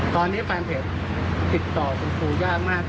ตอนนี้แฟนเพจติดต่อคุณครูยากมาก